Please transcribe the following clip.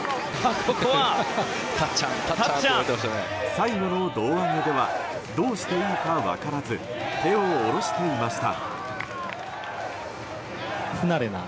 最後の胴上げではどうしていいか分からず手を下ろしていました。